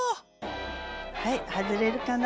はい外れるかな？